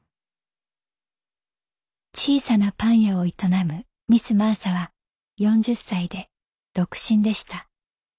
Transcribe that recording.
「小さなパン屋を営むミス・マーサは４０歳で独身でした」。